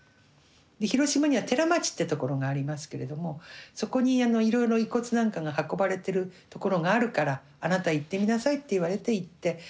広島には寺町ってところがありますけれどもそこにいろいろ遺骨なんかが運ばれてるところがあるからあなた行ってみなさいって言われて行って。